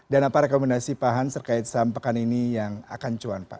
dan apa rekomendasi pak hans terkait saham pekan ini yang akan cuan pak